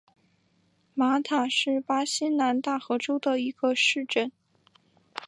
马塔是巴西南大河州的一个市镇。